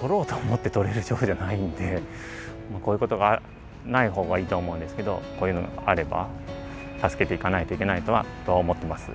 取ろうと思って取れる賞ではないので、もうこういうことがないほうがいいと思うんですけど、こういうのがあれば、助けていかないといけないとは思っています。